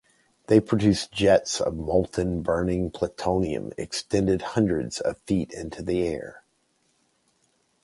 They produced jets of molten, burning plutonium extending hundreds of feet into the air.